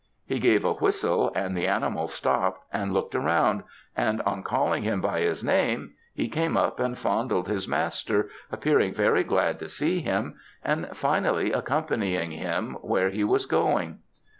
He gave a whistle, and the animal stopt and looked round, and on calling him by his name, he came up and fondled his master, appearing very glad to see him, and finally accompanying him where he was going.